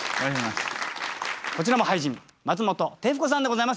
こちらも俳人松本てふこさんでございます。